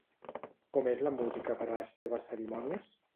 Com és la música per a les seves cerimònies?